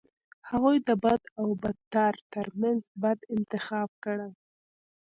هغوی د بد او بدتر ترمنځ بد انتخاب کړي.